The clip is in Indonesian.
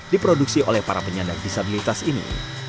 diproduksi oleh para penyandang disabilitas ini